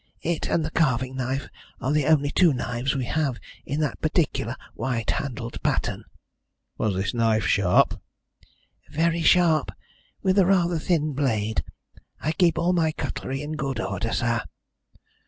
It and the carving knife are the only two knives we have in that particular white handled pattern." "Was this knife sharp?" "Very sharp, with a rather thin blade. I keep all my cutlery in good order, sir."